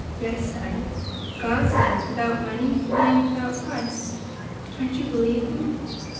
"Yes, Dinah; God says without money and without price; can't you believe him?